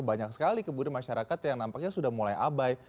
banyak sekali kemudian masyarakat yang nampaknya sudah mulai abai